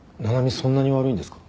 そんなに悪いんですか？